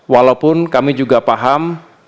walaupun kami juga paham